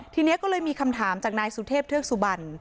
ทีนี้ก็เลยมีคำถามจากนายสุเทพเทือกสุบัน